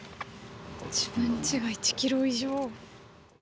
自分ちが１キロ以上。